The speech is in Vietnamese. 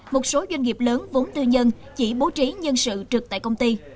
một số doanh nghiệp lớn vốn tư nhân chỉ bố trí nhân sự trực tại công ty